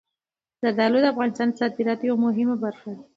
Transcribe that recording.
زردالو د افغانستان د صادراتو یوه مهمه برخه ده.